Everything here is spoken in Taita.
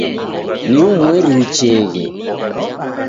Ni umweri ucheghe